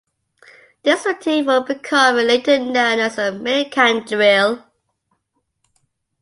This routine would become later known as the Mikan Drill.